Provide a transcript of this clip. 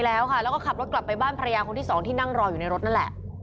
แล้วก็ขับรถกลับไปบ้านภรรยาคนที่สองที่นั่งรออยู่ในรถนั่นแหละ